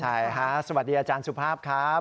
ใช่ฮะสวัสดีอาจารย์สุภาพครับ